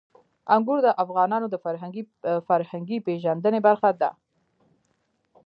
انګور د افغانانو د فرهنګي پیژندنې برخه ده.